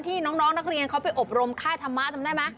น้องนักเรียนเขาไปอบรมค่ายธรรมะจำได้ไหม